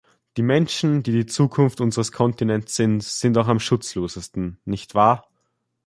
Die Menschen, die die Zukunft unseres Kontinents sind, sind auch am schutzlosesten, nicht wahr?